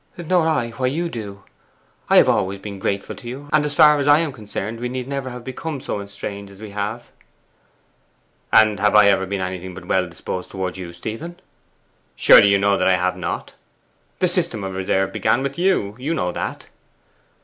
'Nor I why you do. I have always been grateful to you, and as far as I am concerned we need never have become so estranged as we have.' 'And have I ever been anything but well disposed towards you, Stephen? Surely you know that I have not! The system of reserve began with you: you know that.